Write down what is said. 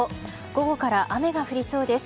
午後から雨が降りそうです。